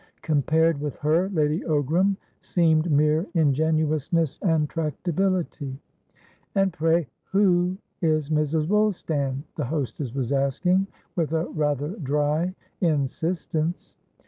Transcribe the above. Compared with her, Lady Ogram seemed mere ingenuousness and tractability. "And, pray, who is Mrs. Woolstan?" the hostess was asking, with a rather dry insistence.